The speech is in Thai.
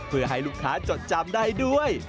เพื่อให้ลูกค้าจดจำได้ด้วย